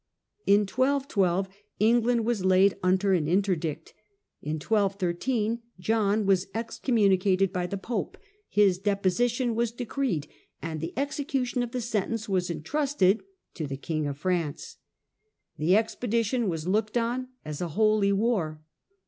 In 1212 England was laid under an interdict ; in 1213 John was excommunicated by the Pope, his deposition was decreed, and the execution of the sentence was entrusted to the King of France. The expedition was looked on as a holy war.